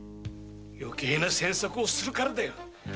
余計なセンサクするからだよ。